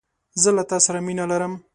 زه له تاسره مینه لرم